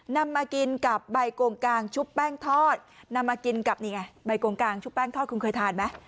นำมากินกับใบโกงกางชุบแป้งทอดนำมากินกับนี่ไงใบโกงกางชุบแป้งทอดคุณเคยทานไหม